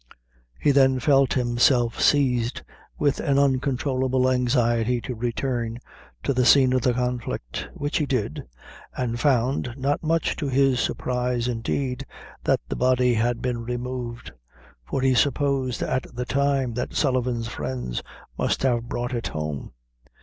He then felt himself seized with an uncontrollable anxiety to return to the scene of conflict, which he did, and found, not much to his surprise indeed, that the body had been removed, for he supposed at the time that Sullivan's friends must have brought it home.